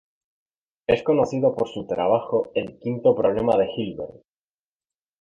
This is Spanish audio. Es conocido por su trabajo El quinto problema de Hilbert.